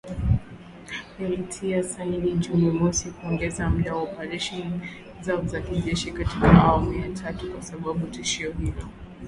yalitia saini Juni mosi kuongeza muda wa operesheni zao za kijeshi katika awamu ya tatu, kwa sababu tishio hilo halijatokomezwa